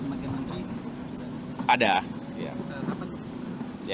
ada disusulnya pemakai menteri